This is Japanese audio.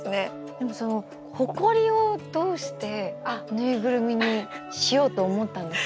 でもほこりをどうしてぬいぐるみにしようと思ったんですか？